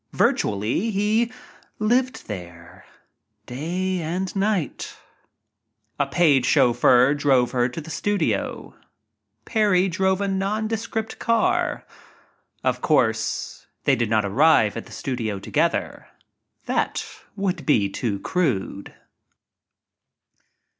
Virtually he lived there — day and night. A paid chauffeur drove her to the studio. Parry drove a nondescript car. Of course, they did not arrive at the studio together. That would be too crude.